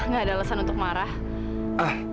nggak ada alasan untuk marah